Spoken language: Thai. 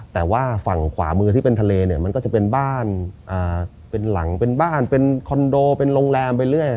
แต่ว่าฝั่งขวามือที่เป็นทะเลเนี่ยมันก็จะเป็นบ้านเป็นหลังเป็นบ้านเป็นคอนโดเป็นโรงแรมไปเรื่อย